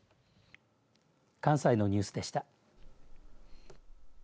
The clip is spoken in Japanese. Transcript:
関西のニュースでした。